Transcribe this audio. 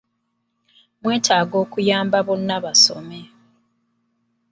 Mwetaaga okuyamba Bonna Basome.